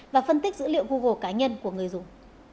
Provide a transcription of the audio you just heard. và phân tích dữ liệu google cá nhân của người dùng